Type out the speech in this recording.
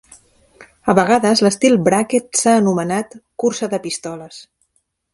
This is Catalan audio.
A vegades, l'estil "Bracket" s'ha anomenat "cursa de pistoles".